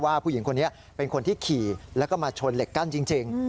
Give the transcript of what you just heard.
ผู้หญิงคนนี้เป็นคนที่ขี่แล้วก็มาชนเหล็กกั้นจริง